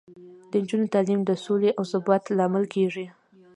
د نجونو تعلیم د سولې او ثبات لامل کیږي.